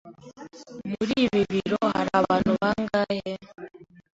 Muri ibi biro hari abantu bangahe?